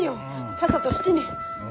さっさと質に！